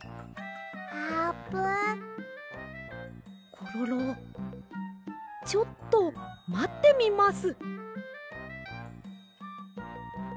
コロロちょっとまってみます。